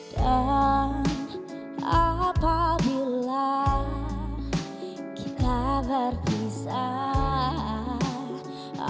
dan apabila kita berpisah